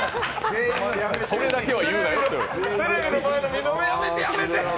それだけは言うなよと。